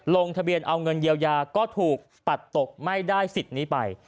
ลงทะเบียนเอาเงินเยียวยาก็ถูกปัดตกไม่ได้สิทธิ์นี้ไป